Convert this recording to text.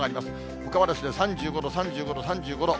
ほかは３５度、３５度、３５度。